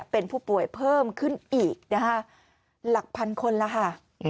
เป็นผู้ป่วยเพิ่มขึ้นอีกนะคะหลักพันคนแล้วค่ะ